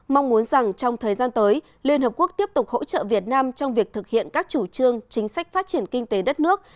mong muốn rằng trong thời gian tới liên hợp quốc tiếp tục hỗ trợ việt nam trong việc thực hiện các chủ trương chính sách phát triển kinh tế đất nước